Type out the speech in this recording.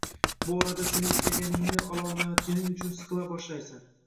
Bu orada sen istaganingni ololmayotganing uchun siqila boshlaysan